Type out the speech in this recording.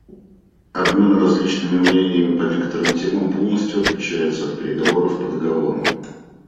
Обмен различными мнениями по некоторым темам полностью отличается от переговоров по договору.